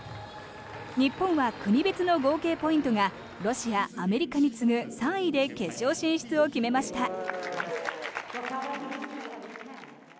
日本は国別の合計ポイントがロシア、アメリカに次ぐ３位で決勝進出を決めました。